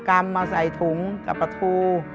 กำมาใส่ถุงกับประทู